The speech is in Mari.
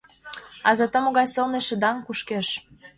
А зато могай сылне шыдаҥ кушкеш!